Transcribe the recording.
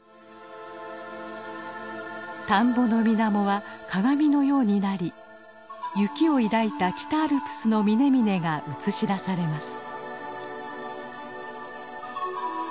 田んぼの水面は鏡のようになり雪を抱いた北アルプスの峰々が映し出されます。